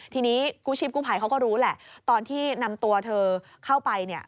ทีนี้กู้ชีพกู้ภัยเขาก็รู้แหละตอนที่นำตัวเธอเข้าไปเนี่ย